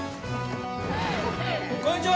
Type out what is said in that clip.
こんにちは！